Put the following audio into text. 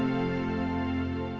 aku sudah berhasil menerima cinta